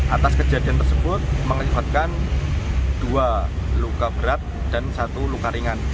atas kejadian tersebut mengakibatkan dua luka berat dan satu luka ringan